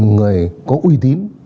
người có uy tín